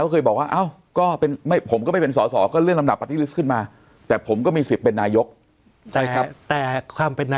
ก็เคยบอกว่าอ้าวก็เป็นไม่ผมก็ไม่เป็นสอว์สอ